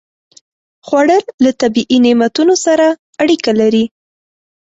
خوړل له طبیعي نعمتونو سره اړیکه لري